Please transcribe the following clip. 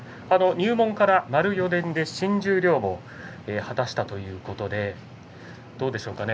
入門から丸４年で新十両を果たしたということでどうでしょうか